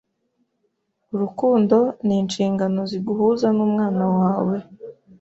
Urukundo ni inshingano ziguhuza n’umwana wawe,